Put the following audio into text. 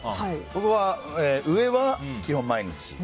僕は上は基本毎日。